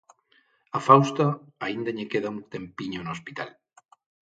A Fausto aínda lle queda un tempiño no hospital.